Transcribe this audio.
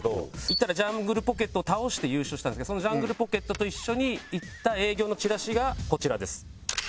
いったらジャングルポケットを倒して優勝したんですけどそのジャングルポケットと一緒に行った営業のチラシがこちらです。